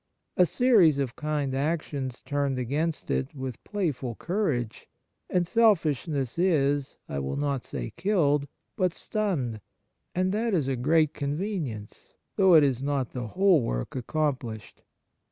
A series of kind actions turned against it with playful courage, and selfishness is, I will not say killed, but stunned, and that is a great convenience, though it is not the whole work accomplished.